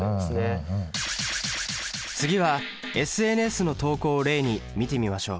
次はＳＮＳの投稿を例に見てみましょう。